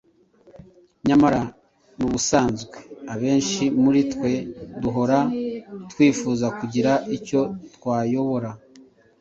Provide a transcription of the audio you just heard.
Nyamara n’ubusanzwe abenshi muri twe duhora twifuza kugira icyo twayobora